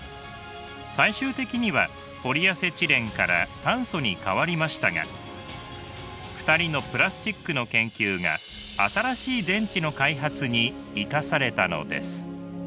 最終的にはポリアセチレンから炭素にかわりましたが２人のプラスチックの研究が新しい電池の開発に生かされたのです。